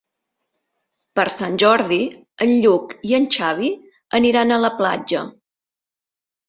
Per Sant Jordi en Lluc i en Xavi aniran a la platja.